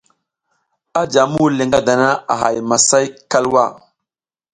A jam muhul le ngada a hay masay kalwa.